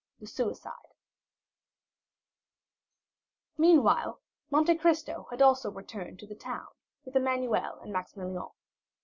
The Suicide Meanwhile Monte Cristo had also returned to town with Emmanuel and Maximilian.